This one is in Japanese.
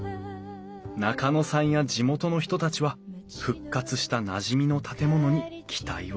中野さんや地元の人たちは復活したなじみの建物に期待を寄せている。